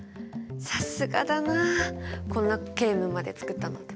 さすがだなこんなゲームまでつくったなんて。